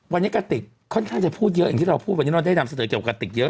วันนี้กระติกค่อนข้างจะพูดเยอะเหมือนที่เราพูดแล้ว